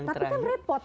tapi kan repot